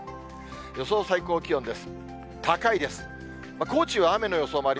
予想最高気温です。